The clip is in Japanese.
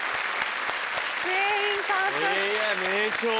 全員完食。